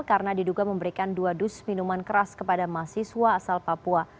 karena diduga memberikan dua dus minuman keras kepada mahasiswa asal papua